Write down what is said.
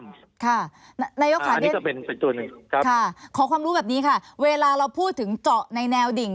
ค่ะนายการเล่นค่ะขอความรู้แบบนี้ค่ะเวลาเราพูดถึงเจาะในแนวดิ่ง